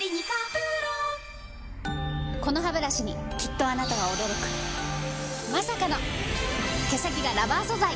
このハブラシにきっとあなたは驚くまさかの毛先がラバー素材！